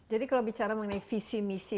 jadi kalau bicara mengenai visi misi